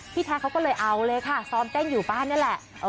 แท็กเขาก็เลยเอาเลยค่ะซ้อมเต้นอยู่บ้านนี่แหละ